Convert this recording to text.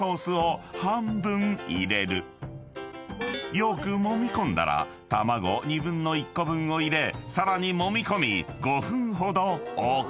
［よくもみ込んだら卵２分の１個分を入れさらにもみ込み５分ほど置く］